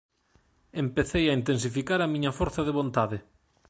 Empecei a intensificar a miña forza de vontade.